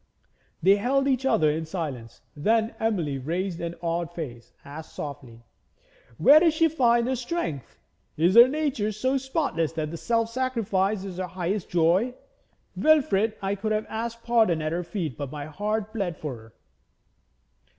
They held each other in silence. Then Emily, raising an awed face, asked softly: 'Where does she find her strength? Is her nature so spotless that self sacrifice is her highest joy? Wilfrid, I could have asked pardon at her feet; my heart bled for her.'